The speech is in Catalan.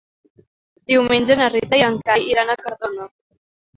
Diumenge na Rita i en Cai iran a Cardona.